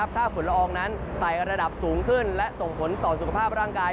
ถ้าฝุ่นละอองนั้นไต่ระดับสูงขึ้นและส่งผลต่อสุขภาพร่างกาย